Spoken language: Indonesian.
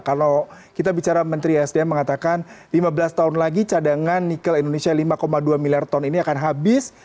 karena kita bicara menteri sdm mengatakan lima belas tahun lagi cadangan nikel indonesia lima dua miliar ton ini akan habis